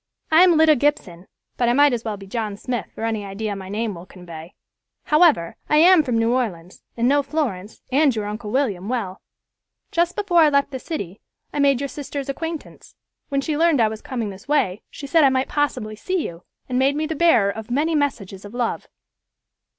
I am Lida Gibson, but I might as well be John Smith for any idea my name will convey. However, I am from New Orleans, and know Florence and your Uncle William well. Just before I left the city, I made your sister's acquaintance. When she learned I was coming this way, she said I might possibly see you, and made me the bearer of many messages of love."